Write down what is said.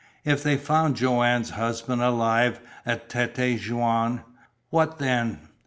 If they found Joanne's husband alive at Tête Jaune what then?